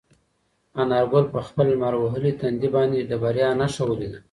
انارګل په خپل لمر وهلي تندي باندې د بریا نښه ولیده.